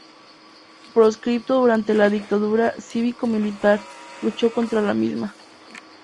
Proscripto durante la dictadura cívico-militar, luchó contra la misma.